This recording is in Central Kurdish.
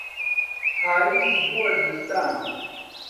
پاییز بووە زستان.